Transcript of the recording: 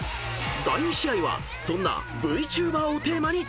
［第２試合はそんなＶＴｕｂｅｒをテーマに対決］